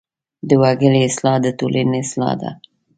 د وګړي اصلاح د ټولنې اصلاح ده.